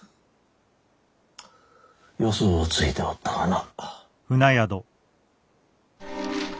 予想はついておったがな。